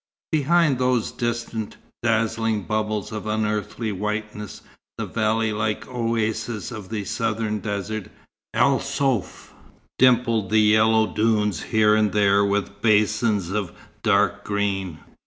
Behind those distant, dazzling bubbles of unearthly whiteness, the valley like oases of the southern desert, El Souf, dimpled the yellow dunes here and there with basins of dark green.